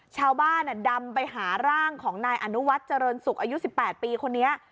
ชาวบ้านดำไปหาร่างของนายอนุวัฒน์เจริญศุกร์อายุ๑๘ปีคนนี้